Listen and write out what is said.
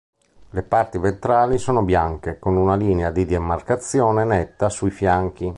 Le parti ventrali sono bianche, con una linea di demarcazione netta sui fianchi.